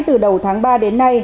từ đầu tháng ba đến nay